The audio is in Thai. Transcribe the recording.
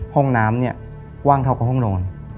ห้องน้ำเนี่ยว่างเท่ากับห้องนอน